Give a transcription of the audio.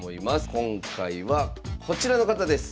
今回はこちらの方です。